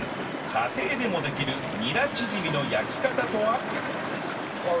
家庭でもできるニラチヂミの焼き方とは？